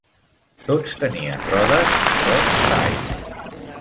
Tots tenien rodes Rostyle.